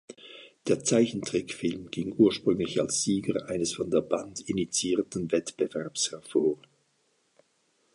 Der Zeichentrickfilm ging ursprünglich als Sieger eines von der Band initiierten Wettbewerbs hervor.